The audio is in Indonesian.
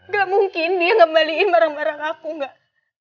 gak mungkin dia ngembalikan barang barang aku enggak